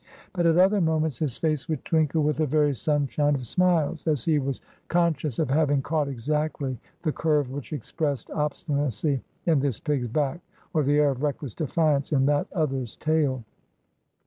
But at other moments his face would twinkle with a very sunshine of smiles, as he was conscious of having caught exactly the curve which expressed obstinacy in this pig's back, or the air of reckless defiance in that other's tail.